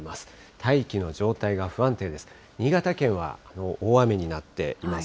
大気の状態が不安定です。